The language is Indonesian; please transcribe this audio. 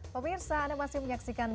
pemirsa anda masih menyaksikan